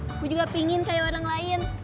aku juga pingin kayak wadang lain